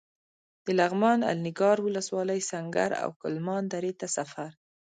د لغمان الینګار ولسوالۍ سنګر او کلمان درې ته سفر.